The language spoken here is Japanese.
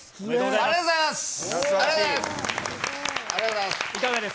ありがとうございます。